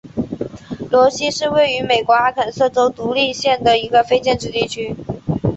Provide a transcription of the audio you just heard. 罗西是位于美国阿肯色州独立县的一个非建制地区。